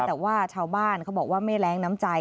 แต่ว่าชาวบ้านเขาบอกว่าไม่แรงน้ำใจ